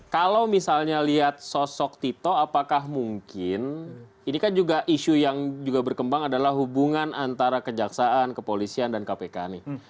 kalau misalnya lihat sosok tito apakah mungkin ini kan juga isu yang juga berkembang adalah hubungan antara kejaksaan kepolisian dan kpk nih